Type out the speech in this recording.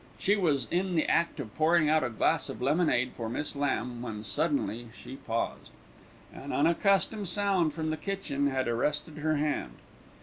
She was in the act of pouring out a glass of lemonade for Miss Lamb, when suddenly she paused. An unaccustomed sound from the kitchen had arrested her hand.